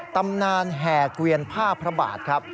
ตำนานแห่เกวียนผ้าพระบาทครับ